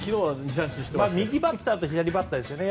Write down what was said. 右バッターと左バッターですよね。